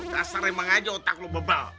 kasar emang aja otak lu bebel